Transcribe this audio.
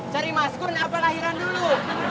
cari mas gun apa lahiran dulu